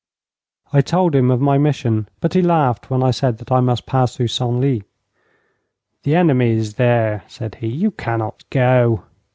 I told him of my mission, but he laughed when I said that I must pass through Senlis. 'The enemy is there,' said he. 'You cannot go.'